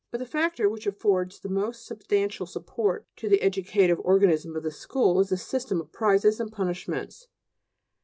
But the factor which affords the most substantial support to the educative organism of the school is the system of prizes and punishments.